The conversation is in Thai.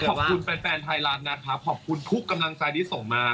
ขอบคุณแฟนไทยรัฐนะครับขอบคุณทุกกำลังใจที่ส่งมา